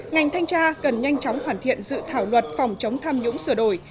ngành thanh tra cần nhanh chóng hoàn thiện dự thảo luật phòng chống tham nhũng sửa đổi